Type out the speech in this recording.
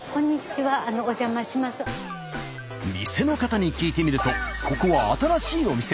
店の方に聞いてみるとここは新しいお店。